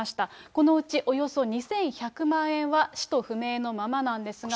このうちおよそ２１００万円は使途不明のままなんですが。